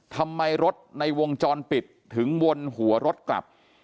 ทำไมรถในวงจรปิดถึงวนหัวรถกลับ